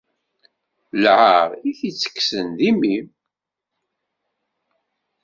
Lεar, i t-itekksen d imi.